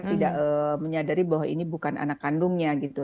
tidak menyadari bahwa ini bukan anak kandungnya gitu